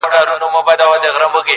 ماسومان بيا هم پوښتني کوي تل,